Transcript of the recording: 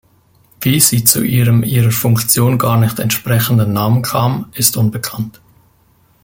Wie sie zu ihrem ihrer Funktion gar nicht entsprechenden Namen kam, ist unbekannt.